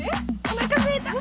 おなかすいた？